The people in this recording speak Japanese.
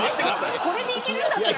これでいけるんだったら。